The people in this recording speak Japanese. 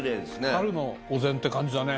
春のお膳って感じだね。